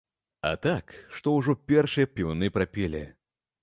А так, што ўжо першыя певуны прапелі.